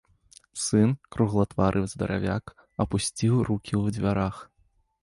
Сын, круглатвары здаравяк, апусціў рукі ў дзвярах.